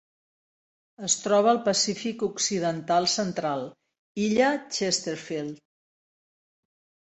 Es troba al Pacífic occidental central: illa Chesterfield.